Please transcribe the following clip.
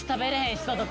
人とか。